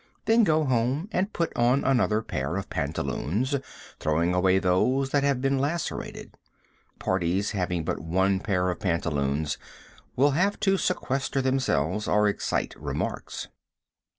Then go home and put on another pair of pantaloons, throwing away those that have been lacerated. Parties having but one pair of pantaloons will have to sequester themselves or excite remarks.